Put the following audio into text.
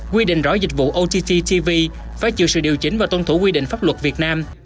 quy định rõ dịch vụ ottv phải chịu sự điều chỉnh và tuân thủ quy định pháp luật việt nam